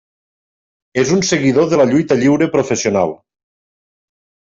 És un seguidor de la lluita lliure professional.